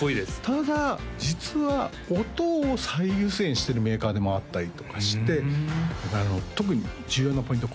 ただ実は音を最優先してるメーカーでもあったりとかして特に重要なポイント